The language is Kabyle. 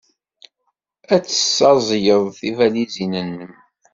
Ad tessaẓyeḍ tibalizin-nnem.